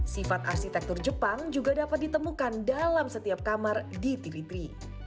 sifat arsitektur jepang juga dapat ditemukan dalam setiap kamar di tvri